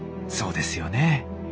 そうですよね。